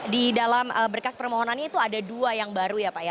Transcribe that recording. di dalam berkas permohonannya itu ada dua yang baru ya pak ya